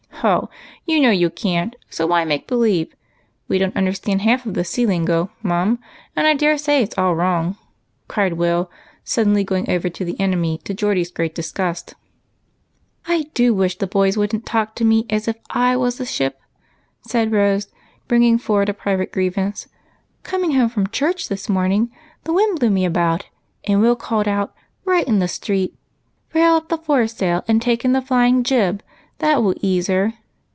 "Ho, you know you can't, so why make believe? We don't understand half of the sea lingo, Mum, and I dare say it 's all wrong," cried Will, suddenly going over to the enemy, to Geordie's great disgust. " I do wish the boys would n't talk to me as if I was a ship," said Rose, bringing forward a private grievance. GOOD BARGAINS. 201 "Coming home from church, this morning, the wind blew me about, and Will called out, right in the street, * Brail up the foresail, and take in the flying jib, that will ease her.'